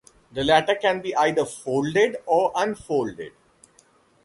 The latter can be either "folded" or "unfolded".